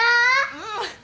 うん。